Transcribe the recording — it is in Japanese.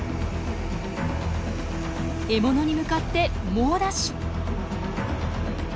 獲物に向かって猛ダッシュ。